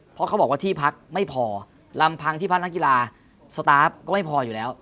เพราะเขาบอกว่าที่พักไม่พอลำพังที่พักนักกีฬาสตาร์ฟก็ไม่พออยู่แล้ว